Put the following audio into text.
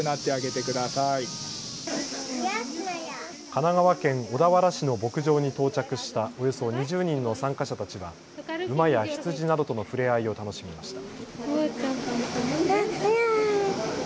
神奈川県小田原市の牧場に到着した、およそ２０人の参加者たちは馬や羊などとの触れ合いを楽しみました。